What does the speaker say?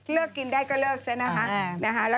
เลิกกินใดก็เลิกซะนะคะ